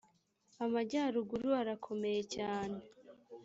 amajyaruguru arakomeye cyane